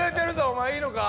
お前いいのか？